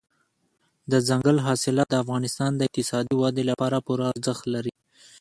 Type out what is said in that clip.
دځنګل حاصلات د افغانستان د اقتصادي ودې لپاره پوره ارزښت لري.